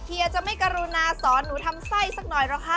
เฮียจะไม่กรุณาสอนหนูทำไส้สักหน่อยหรอกค่ะ